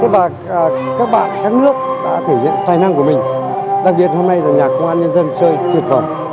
và các bạn các nước